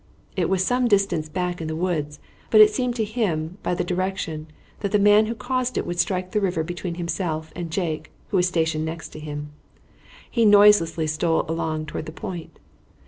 It was some distance back in the woods, but it seemed to him, by the direction, that the man who caused it would strike the river between himself and Jake, who was stationed next to him. He noiselessly stole along toward the point.